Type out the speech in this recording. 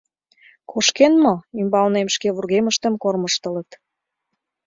Кошкен мо?» Ӱмбалнем шке вургемыштым кормыжтылыт.